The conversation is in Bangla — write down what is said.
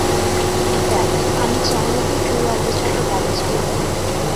দেখ, আমি চাই না তুই এই অবস্থাতে গাড়ি চালা।